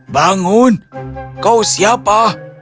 bangun kau siapa